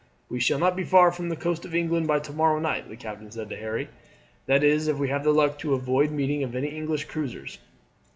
"We shall not be far from the coast of England by to morrow night," the captain said to Harry, "that is if we have the luck to avoid meeting any of the English cruisers.